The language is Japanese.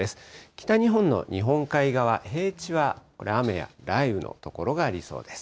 北日本の日本海側、平地はこれ、雨や雷雨の所がありそうです。